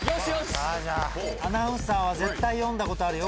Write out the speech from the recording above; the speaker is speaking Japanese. アナウンサーは絶対読んだことあるよこれ。